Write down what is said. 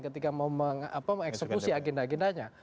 ketika mau mengeksekusi agenda agendanya